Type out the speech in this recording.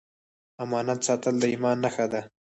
امانت ساتل د ایمان نښه ده.